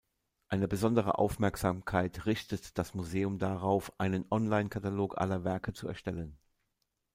Eine besondere Aufmerksamkeit richtet das Museum darauf, einen Online-Katalog aller Werke zu erstellen.